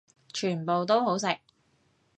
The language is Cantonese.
全部都好食